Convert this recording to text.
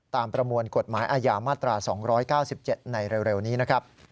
ประมวลกฎหมายอาญามาตรา๒๙๗ในเร็วนี้นะครับ